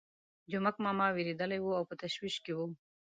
جومک ماما وېرېدلی وو او په تشویش کې وو.